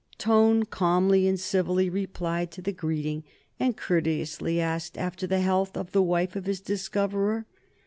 Tone calmly and civilly replied to the greeting, and courteously asked after the health of the wife of his discoverer.